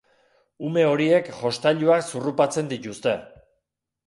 Ume horiek jostailuak zurrupatzen dituzte.